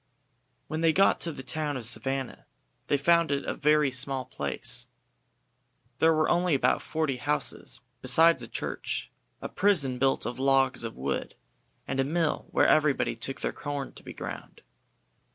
When they got to the town of Savannah they found it a very small place. There were only about forty houses, besides a church, a prison built of logs of wood, and a mill where everybody took their corn to be ground.